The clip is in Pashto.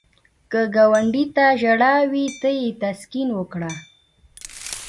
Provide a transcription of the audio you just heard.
که ګاونډي ته ژړا وي، ته یې تسکین ورکړه